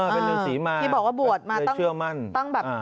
พี่บอกว่าบวชมาตั้งแบบ